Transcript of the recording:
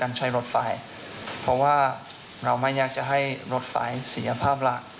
ใช้รถไฟเพราะว่าเราไม่อยากจะให้รถไฟเสียภาพละ